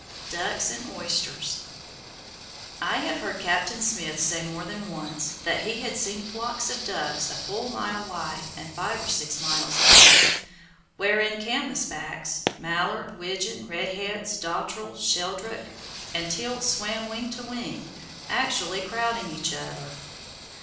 DUCKS AND OYSTERS I have heard Captain Smith say more than once, that he had seen flocks of ducks a full mile wide and five or six miles long, wherein canvasbacks, mallard, widgeon, redheads, dottrel, sheldrake, and teal swam wing to wing, actually crowding each other.